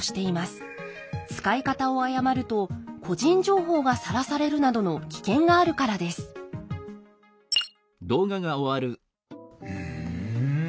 使い方を誤ると個人情報がさらされるなどの危険があるからですふん。